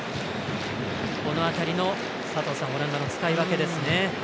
この辺りのオランダの使い分けですね。